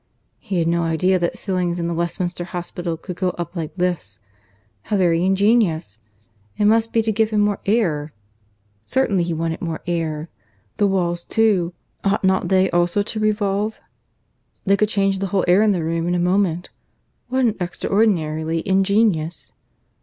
He had no idea that ceilings in the Westminster Hospital could go up like lifts. How very ingenious! It must be to give him more air. Certainly he wanted more air. ... The walls too. ... Ought not they also to revolve? They could change the whole air in the room in a moment. What an extraordinarily ingenious